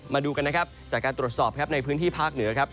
มาดูกันนะครับจากการตรวจสอบครับในพื้นที่ภาคเหนือครับ